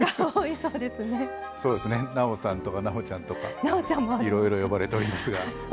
そうですね「なおさん」とか「なおちゃん」とかいろいろ呼ばれておりますが。